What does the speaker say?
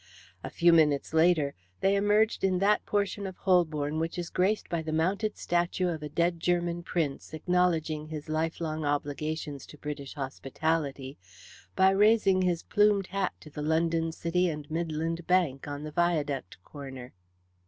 A few minutes later, they emerged in that portion of Holborn which is graced by the mounted statue of a dead German prince acknowledging his lifelong obligations to British hospitality by raising his plumed hat to the London City & Midland Bank on the Viaduct corner.